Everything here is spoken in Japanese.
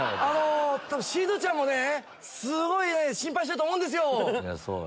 しずちゃんもねすごい心配してると思うんですよ。